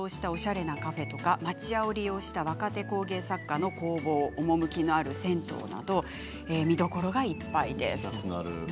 銭湯を改装したおしゃれなカフェとか町屋を利用した若手工芸作家の工房、趣のある銭湯など見どころがいっぱいです。